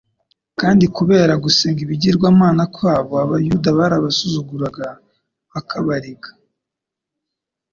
kandi kubera gusenga ibigirwamana kwabo, Abayuda barabasuzuguraga bakabariga.